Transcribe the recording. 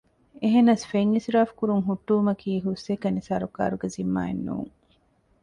އެހެނަސް ފެން އިސްރާފުކުރުން ހުއްޓުވުމަކީ ހުސްއެކަނި ސަރުކާރުގެ ޒިންމާއެއް ނޫން